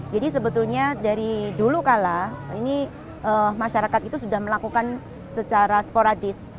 jadi sebetulnya dari dulu kala masyarakat itu sudah melakukan secara sporadis